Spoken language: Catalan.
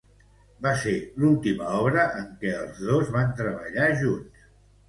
Va ser l'última obra en què els dos van treballar junts.